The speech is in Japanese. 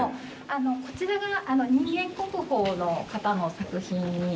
こちらが人間国宝の方の作品になります。